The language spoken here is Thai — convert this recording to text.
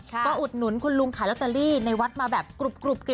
ก็อุดหนุนคุณลุงขายลอตเตอรี่ในวัดมาแบบกรุบ